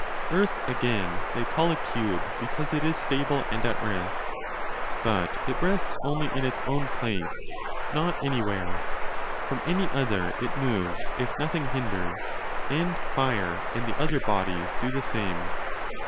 Earth, again,' they call a cube because it is stable and at rest. But it rests only in its own place, not anywhere; from 1oany other it moves if nothing hinders, and fire and the other bodies do the same.